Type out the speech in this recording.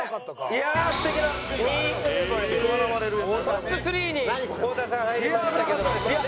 トップ３に太田さん入りましたけど。